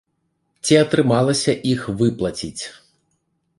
Ці атрымалася іх выплаціць?